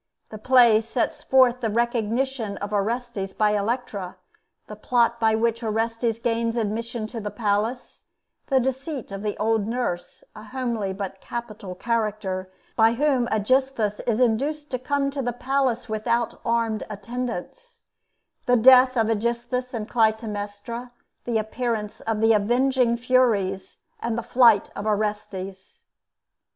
The play sets forth the recognition of Orestes by Electra; the plot by which Orestes gains admission to the palace; the deceit of the old Nurse, a homely but capital character, by whom Aegisthus is induced to come to the palace without armed attendants; the death of Aegisthus and Clytemnestra; the appearance of the avenging Furies; and the flight of Orestes.